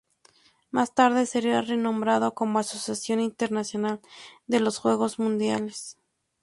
Más tarde seria renombrado como "Asociación Internacional de los Juegos Mundiales".